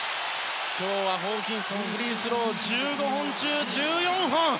今日はホーキンソンフリースロー１５本中１４本。